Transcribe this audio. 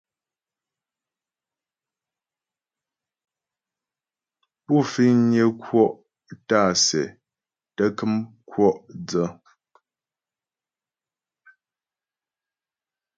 Pú fiŋnyə kwɔ' tǎ'a sɛ tə́ kəm kwɔ' dsə.